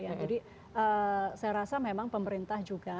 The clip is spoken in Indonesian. jadi saya rasa memang pemerintah juga